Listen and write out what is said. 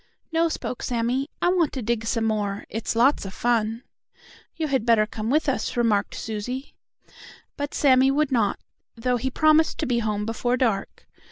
"No," spoke Sammie, "I want to dig some more. It's lots of fun." "You had better come with us," remarked Susie. But Sammie would not, though he promised to be home before dark.